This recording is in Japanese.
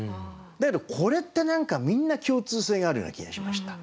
だけどこれって何かみんな共通性があるような気がしました。